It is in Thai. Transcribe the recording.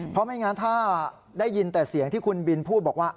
เพราะไม่งั้นถ้าได้ยินแต่เสียงที่คุณบินพูดบอกว่า